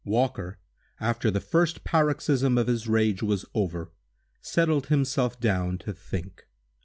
Walker, after the first paroxysm of his rage was over, settled himself down to think.